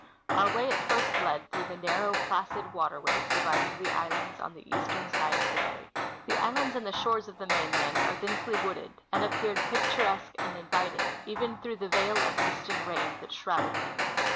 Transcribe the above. Our way at first led through the narrow, placid water ways dividing the islands on the eastern side of the bay. The islands and the shores of the mainland are densely wooded, and appeared picturesque and inviting even through the veil of mist and rain that shrouded them.